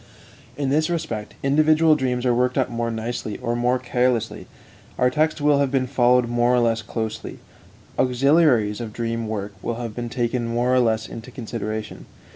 In this respect, individual dreams are worked up more nicely or more carelessly, our text will have been followed more or less closely, auxiliaries of the dream work will have been taken more or less into consideration.